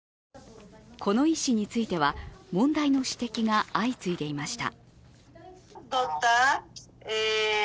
この医師については問題の指摘が相次いでいました。